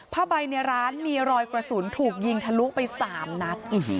ผ้าใบในร้านมีรอยกระสุนถูกยิงทะลุไป๓นัด